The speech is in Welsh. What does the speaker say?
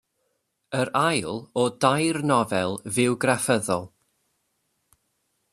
Yr ail o dair nofel fywgraffyddol.